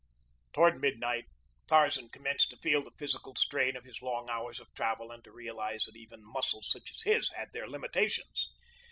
Toward midnight Tarzan commenced to feel the physical strain of his long hours of travel and to realize that even muscles such as his had their limitations.